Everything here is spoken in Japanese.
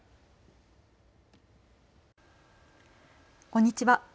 こんにちは。